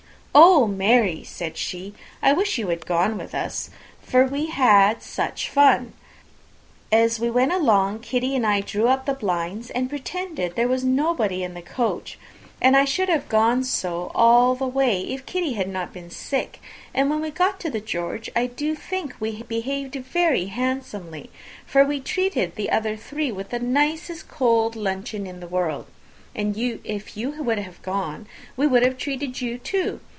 "Oh, Mary," said she, "I wish you had gone with us, for we had such fun! as we went along Kitty and me drew up all the blinds, and pretended there was nobody in the coach; and I should have gone so all the way, if Kitty had not been sick; and when we got to the George, I do think we behaved very handsomely, for we treated the other three with the nicest cold luncheon in the world, and if you would have gone, we would have treated you too.